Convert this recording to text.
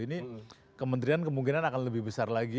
ini kementerian kemungkinan akan lebih besar lagi